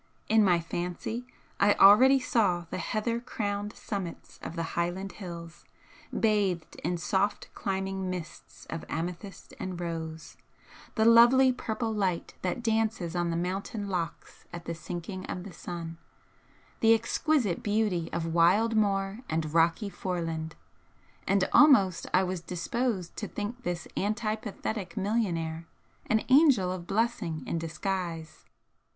In my fancy I already saw the heather crowned summits of the Highland hills, bathed in soft climbing mists of amethyst and rose, the lovely purple light that dances on the mountain lochs at the sinking of the sun, the exquisite beauty of wild moor and rocky foreland, and almost I was disposed to think this antipathetic millionaire an angel of blessing in disguise.